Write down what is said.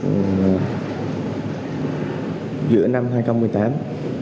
giữa năm hai nghìn một mươi tám